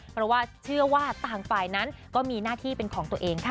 เพราะว่าเชื่อว่าต่างฝ่ายนั้นก็มีหน้าที่เป็นของตัวเองค่ะ